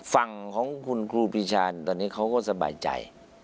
ฝั่งของคุณครูปีชาญตอนนี้เขาก็สบายใจ